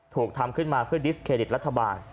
ถูกทำขึ้นมาเพื่อดิสเครดิตรัฐบาล